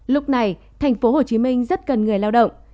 lúc này thành phố hồ chí minh rất cần người lao động